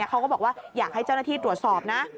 เขาก็บอกว่าอยากให้เจ้าหน้าที่ตรวจสอบนะ